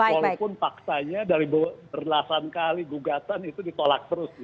walaupun paksanya dari berdelasan kali gugatan itu ditolak terus